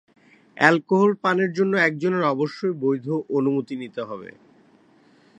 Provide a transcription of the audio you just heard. Alcohol পানের জন্য একজনের অবশ্যই বৈধ অনুমতি নিতে হবে।